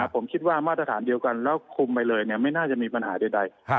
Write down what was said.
ผมคิดว่ามาตรฐานเดียวกันแล้วคุมไปเลยไม่น่าจะมีปัญหาใด